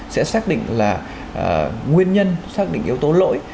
sẽ xác định là nguyên nhân xác định yếu tố lỗi